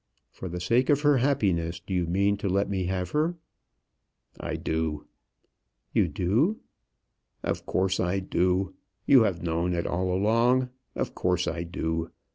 For the sake of her happiness, do you mean to let me have her?" "I do." "You do?" "Of course I do. You have known it all along. Of course I do.